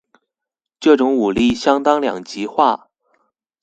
这种战力相当两极化。